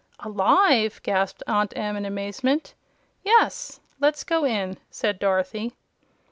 "Alive!" gasped Aunt Em, in amazement. "Yes. Let's go in," said Dorothy.